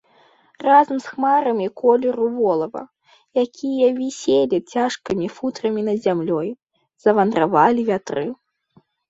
Разам з хмарамі колеру волава, якія віселі цяжкімі футрамі над зямлёй, завандравалі вятры.